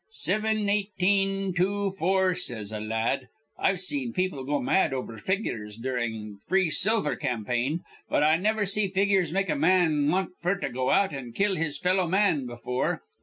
'Sivin, eighteen, two, four,' says a la ad. I've seen people go mad over figures durin' th' free silver campaign, but I niver see figures make a man want f'r to go out an' kill his fellow men befure.